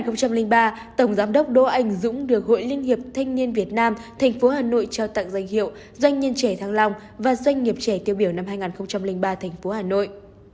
năm hai nghìn ba tổng giám đốc đỗ anh dũng được hội liên hiệp thanh niên việt nam thành phố hà nội trao tặng danh hiệu doanh nhân trẻ thăng long và doanh nghiệp trẻ tiêu biểu năm hai nghìn ba thành phố hà nội